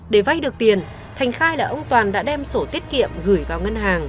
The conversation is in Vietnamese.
để vay được tiền thành khai là ông toàn đã đem sổ tiết kiệm gửi vào ngân hàng